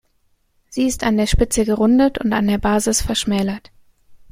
Sie ist an der Spitze gerundet und an der Basis verschmälert.